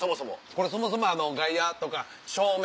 これそもそも外野とか照明